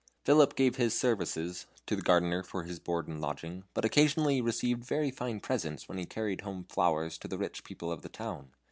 Philip gave his services to the gardener for his board and lodging, but he occasionally received very fine presents when he carried home flowers to the rich people of the town.